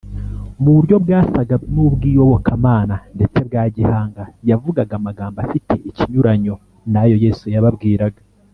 mu buryo bwasaga n’ubw’iyobokamana ndetse bwa gihanga, yavugaga amagambo afite ikinyuranyo n’ayo yesu yababwiraga